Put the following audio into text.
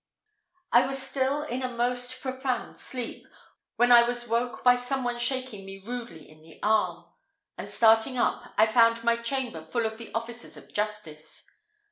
I was still in a most profound sleep, when I was woke by some one shaking me rudely by the arm; and starting up, I found my chamber full of the officers of justice.